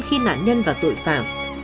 khi nạn nhân và tội phạm